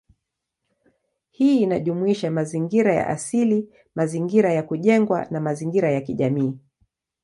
Hii inajumuisha mazingira ya asili, mazingira ya kujengwa, na mazingira ya kijamii.